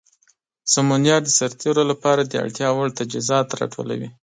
سمونیار د سرتیرو لپاره د اړتیا وړ تجهیزات راټولوي.